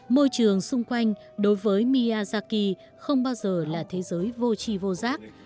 môi trường xung quanh đối với miyazaki không bao giờ là thế giới vô chi vô giác